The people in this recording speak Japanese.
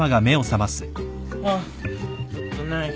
ああ！？